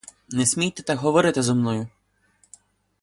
Не смійте так говорити зо мною!